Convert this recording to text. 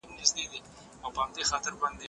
زه له سهاره سیر کوم؟!